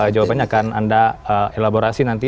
jawabannya akan anda elaborasi nanti